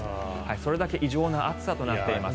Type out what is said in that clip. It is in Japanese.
それだけ異常な暑さとなっています。